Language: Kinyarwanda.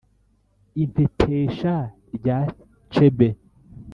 Impetesha rya cebe.